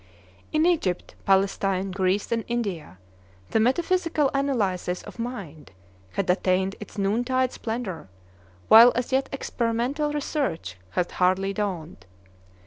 In Egypt, Palestine, Greece, and India, the metaphysical analysis of Mind had attained its noontide splendor, while as yet experimental research had hardly dawned.